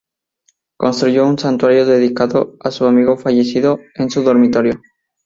Construyó un santuario dedicado a su amigo fallecido en su dormitorio.